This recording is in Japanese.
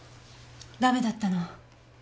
ダメだったの？